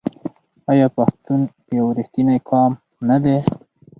آیا پښتون یو رښتینی قوم نه دی؟